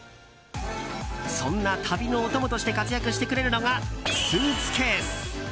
そんな旅のお供として活躍してくれるのがスーツケース。